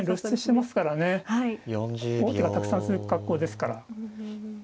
王手がたくさん続く格好ですから。